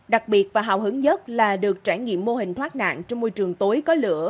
đặc biệt và hào hứng nhất là được trải nghiệm mô hình thoát nạn trong môi trường tối có lửa